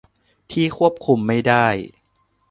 ที่ควบคุมไม่ได้